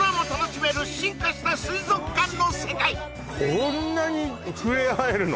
こんなに触れ合えるの？